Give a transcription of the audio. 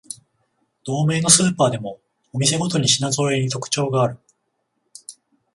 同名のスーパーでもお店ごとに品ぞろえに特徴がある